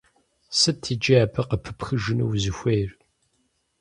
Сыт иджы абы къыпыпхыжыну узыхуейр?